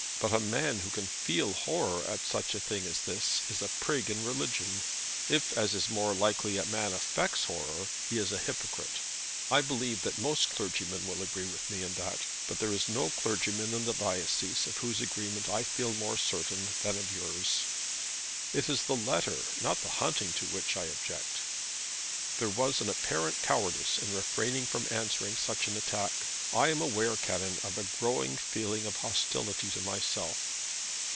But a man who can feel horror at such a thing as this is a prig in religion. If, as is more likely, a man affects horror, he is a hypocrite. I believe that most clergymen will agree with me in that; but there is no clergyman in the diocese of whose agreement I feel more certain than of yours." "It is the letter, not the hunting, to which I object." "There was an apparent cowardice in refraining from answering such an attack. I am aware, Canon, of a growing feeling of hostility to myself."